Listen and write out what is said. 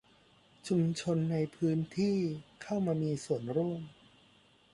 ชุมชนในพื้นที่เข้ามามีส่วนร่วม